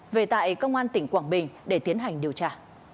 về tại công an tỉnh quảng bình để tiến hành điều tra